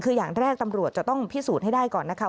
คืออย่างแรกตำรวจจะต้องพิสูจน์ให้ได้ก่อนนะคะ